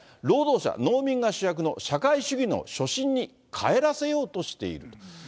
労働者、農民が主役の社会主義の初心に帰らせようとしている。